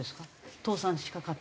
倒産しかかってたのに。